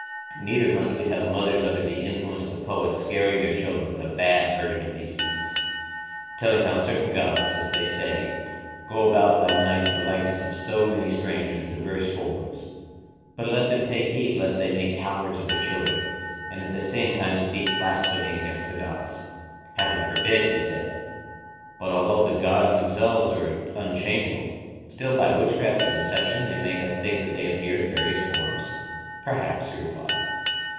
Neither must we have mothers under the influence of the poets scaring their children with a bad version of these myths—telling how certain gods, as they say, 'Go about by night in the likeness of so many strangers and in divers forms;' but let them take heed lest they make cowards of their children, and at the same time speak blasphemy against the gods. Heaven forbid, he said. But although the gods are themselves unchangeable, still by witchcraft and deception they may make us think that they appear in various forms? Perhaps, he replied.